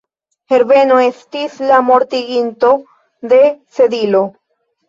Herbeno estis la mortiginto de Sedilo.